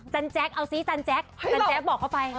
แจ๊กเอาซิจันแจ๊กจันแจ๊กบอกเข้าไป